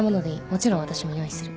もちろん私も用意する。